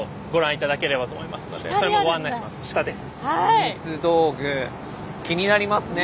秘密道具気になりますね。